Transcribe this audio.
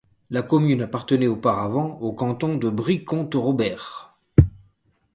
La commune appartenait auparavant au canton de Brie-Comte-Robert.